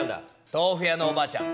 とうふ屋のおばあちゃん